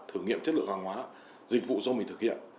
thử nghiệm chất lượng hàng hóa dịch vụ do mình thực hiện